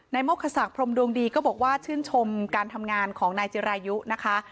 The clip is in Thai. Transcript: โมกคศักดิพรมดวงดีก็บอกว่าชื่นชมการทำงานของนายจิรายุนะคะ